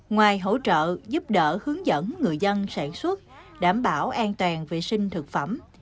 ngoài hỗ trợ giúp đỡ hướng dẫn người dân sản xuất đảm bảo an toàn vệ sinh thực phẩm